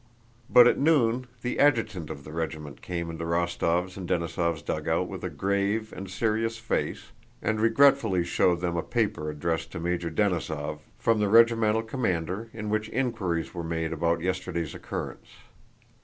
But at noon the adjutant of the regiment came into Rostóv's and Denísov's dugout with a grave and serious face and regretfully showed them a paper addressed to Major Denísov from the regimental commander in which inquiries were made about yesterday's occurrence.